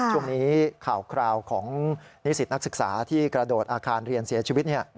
ช่วงนี้ข่าวคราวของนิสิตนักศึกษาที่กระโดดอาคารเรียนเสียชีวิต